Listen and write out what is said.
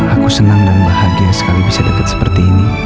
aku senang dan bahagia sekali bisa dekat seperti ini